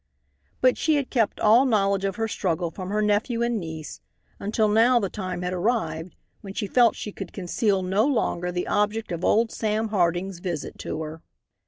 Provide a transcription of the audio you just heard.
But she had kept all knowledge of her struggle from her nephew and niece, until now the time had arrived when she felt that she could conceal no longer the object of old Sam Harding's visit to her.